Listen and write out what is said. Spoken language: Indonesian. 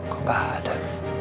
kok gak ada